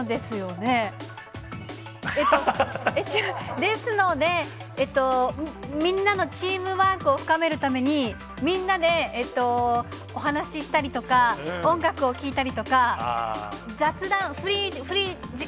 ですので、みんなのチームワークを深めるために、みんなでお話したりとか、音楽を聴いたりとか、雑談、フリー時間。